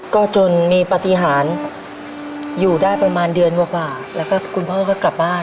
ก็จนมีปฏิหารอยู่ได้ประมาณเดือนกว่าแล้วก็คุณพ่อก็กลับบ้าน